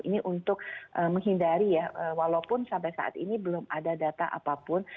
ini untuk menghindari ya walaupun sampai saat ini belum ada data apapun